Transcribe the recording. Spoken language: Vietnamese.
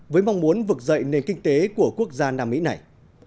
với mong muốn vực dậy nền kinh tế của quốc gia nam mỹ này